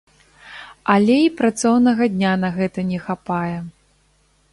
Але і працоўнага дня на гэта не хапае.